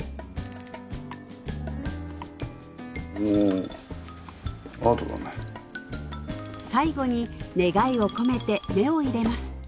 うん最後に願いを込めて目を入れます